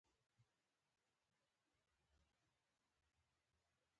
نجونې به تر هغه وخته پورې په ازموینو کې کامیابیږي.